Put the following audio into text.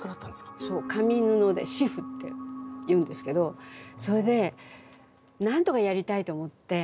「紙」「布」で「紙布」っていうんですけどそれでなんとかやりたいと思って。